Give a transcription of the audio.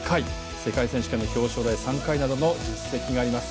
世界選手権の表彰台３回などの実績があります。